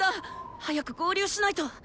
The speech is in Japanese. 早く合流しないと。